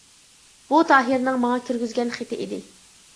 بۇ تاھىرنىڭ ماڭا كىرگۈزگەن خېتى ئىدى.